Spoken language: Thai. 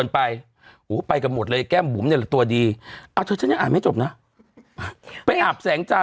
พูดคำว่าอ๋อฉันดวงนะตรง